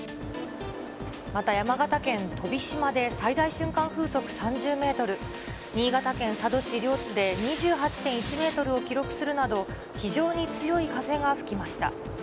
また山形県飛島で最大瞬間風速３０メートル、新潟県佐渡市両津で２８．１メートルを記録するなど、非常に強い風が吹きました。